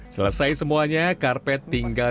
selesai semuanya karpet tinggal